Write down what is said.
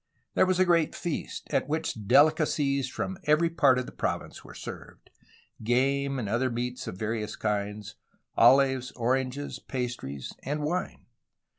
There was a great feast, at which dehcacies from every part of the province were served, — game and other meats of various kinds, olives, oranges, pastries, and wine.